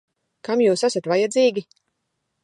Kam jūs esat vajadzīgi?